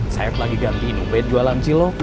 sayap lagi gantiin ubed jualan cilok